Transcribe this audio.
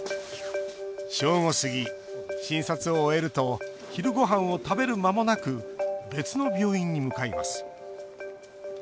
正午過ぎ診察を終えると昼ごはんを食べる間もなく別の病院に向かいます。